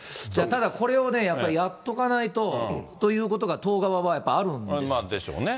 ただ、これをやっぱりやっておかないと、ということが党側はやっぱりあるんです。